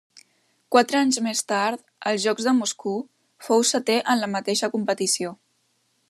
Quatre anys més tard, als Jocs de Moscou, fou setè en la mateixa competició.